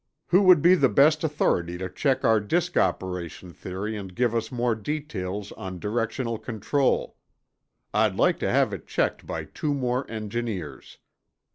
] Who would be the best authority to check our disk operation theory and give us more details on directional control? I'd like to have it checked by two more engineers.